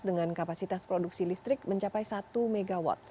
dengan kapasitas produksi listrik mencapai satu mw